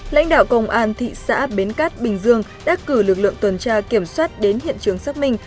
lãnh đạo công an thị xã bến cát bình dương đã cử lực lượng tuần tra kiểm soát đến hiện trường xác minh